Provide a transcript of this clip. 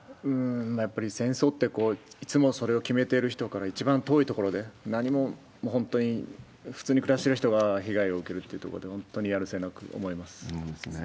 やっぱり戦争って、いつもそれを決めている人から一番遠いところで、何も本当に普通に暮らしてる人が被害を受けるというとこそうですね。